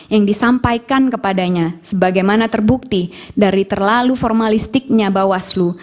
yang disampaikan kepadanya sebagaimana terbukti dari terlalu formalistiknya bawaslu